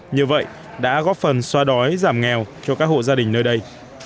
như vậy đã góp phần xoa đói giảm nghèo cho các hộ gia đình nơi đây